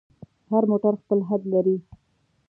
هر موټر خپل حد لري.